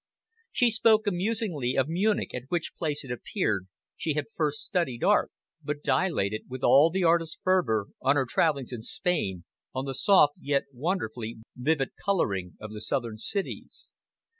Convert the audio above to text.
She spoke amusingly of Munich, at which place, it appeared, she had first studied art, but dilated, with all the artist's fervour, on her travellings in Spain, on the soft yet wonderfully vivid colouring of the southern cities.